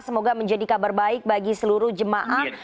semoga menjadi kabar baik bagi seluruh jemaah